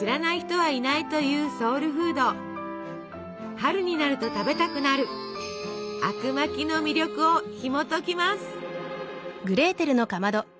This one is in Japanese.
春になると食べたくなるあくまきの魅力をひもときます。